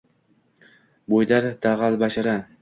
Bo`ydor, dag`albashara